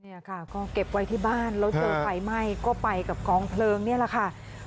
เนี่ยค่ะก็เก็บไว้ที่บ้านแล้วเจอไฟไหม้ก็ไปกับกองเพลิงนี่แหละค่ะ